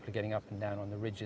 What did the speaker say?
bagaimana orang datang ke pantai